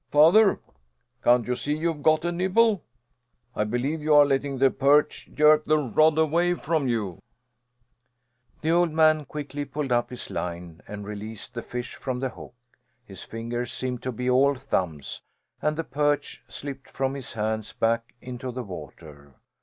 "Father! Can't you see you've got a nibble? I believe you are letting the perch jerk the rod away from you." The old man quickly pulled up his line and released the fish from the hook. His fingers seemed to be all thumbs and the perch slipped from his hands back into the water.